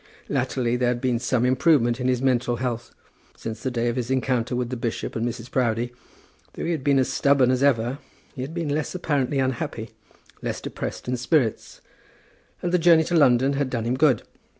Latterly there had been some improvement in his mental health. Since the day of his encounter with the bishop and Mrs. Proudie, though he had been as stubborn as ever, he had been less apparently unhappy, less depressed in spirits. And the journey to London had done him good.